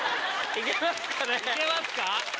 いけますか？